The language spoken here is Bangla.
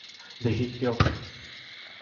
দেখি, কী রকম?